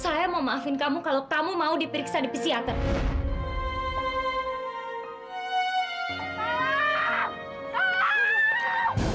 saya mau maafin kamu kalo kamu mau dipiriksa di psikiatri